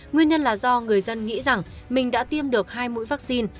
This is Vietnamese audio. nguyên nhân là do người dân nghĩ rằng mình đã tiêm được hai mũi vắc xin